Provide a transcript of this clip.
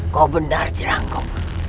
kau benar ciranggong